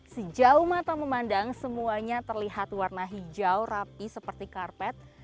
sejauh mata memandang semuanya terlihat warna hijau rapi seperti karpet